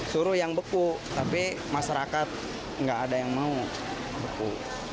suruh yang beku tapi masyarakat nggak ada yang mau beku